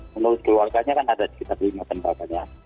menurut keluarganya kan ada sekitar lima tembakan ya